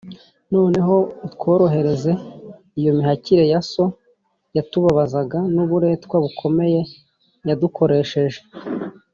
none utworohereze iyo mihakire ya so yatubabazaga n’uburetwa bukomeye yadukoresheje